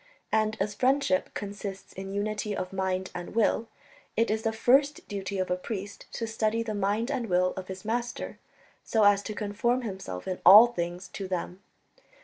And as friendship consists in unity of mind and will, it is the first duty of a priest to study the mind and will of his Master, so as to conform himself in all things to them.